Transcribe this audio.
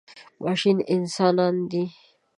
ماشیني انسانان دي.